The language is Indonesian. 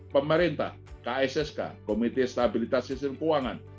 pemerintah kssk komite stabilitas sistem keuangan